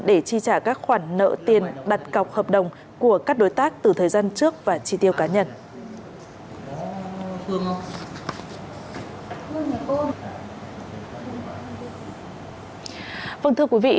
để chi trả các khoản nợ tiền đặt cọc hợp đồng của các đối tác từ thời gian trước và chi tiêu cá nhân